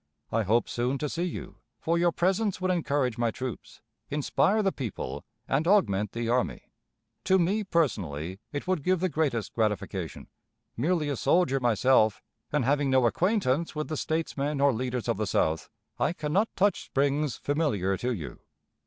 I hope soon to see you, for your presence would encourage my troops, inspire the people, and augment the army. To me personally it would give the greatest gratification. Merely a soldier myself, and having no acquaintance with the statesmen or leaders of the South, I can not touch springs familiar to you.